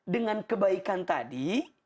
dengan kebaikan tadi